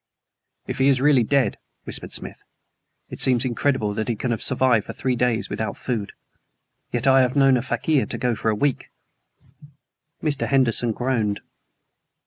"If he is really dead!" whispered Smith. "It seems incredible that he can have survived for three days without food. Yet I have known a fakir to go for a week." Mr. Henderson groaned.